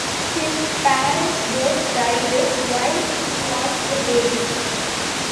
His parents both died while he was a baby.